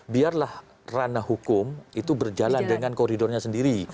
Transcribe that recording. biarlah ranah hukum itu berjalan dengan koridornya sendiri